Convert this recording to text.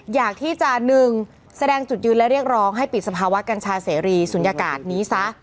อยากที่จะหนึ่งแสดงจุดยืนและเรียกร้องให้ปิดสภาวะกัญชาเสรีศูนยากาศนี้ซะ